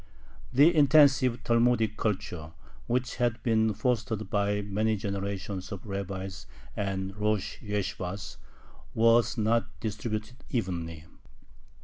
The intensive Talmudic culture, which had been fostered by many generations of rabbis and rosh yeshibahs was not distributed evenly.